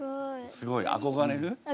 すごい。憧れる？